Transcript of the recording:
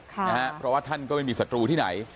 เพราะว่าท่านก็ไม่มีศัตรูที่ไหน